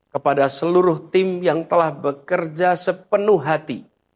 kepada seluruh tim yang telah bekerja sepenuh hati